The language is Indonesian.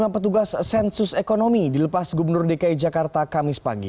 dua puluh dua tiga puluh lima petugas sensus ekonomi dilepas gubernur dki jakarta kamis pagi